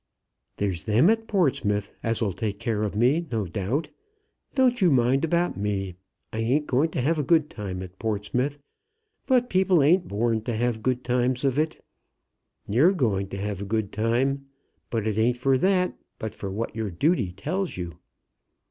"There's them at Portsmouth as'll take care of me, no doubt. Don't you mind about me. I ain't going to have a good time at Portsmouth, but people ain't born to have good times of it. You're going to have a good time. But it ain't for that, but for what your duty tells you.